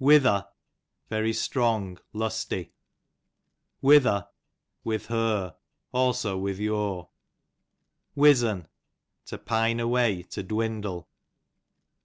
Wither, verj/ strong, lusty. Wither, with her ; also with your. Wizz'n, to pine away, to dwindle.